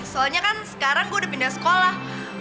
soalnya kan sekarang gue udah pindah sekolah